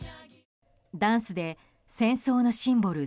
ダンスで戦争のシンボル「Ｚ」